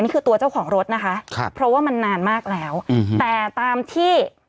นี่คือตัวเจ้าของรถนะคะเพราะว่ามันนานมากแล้วแต่ตามที่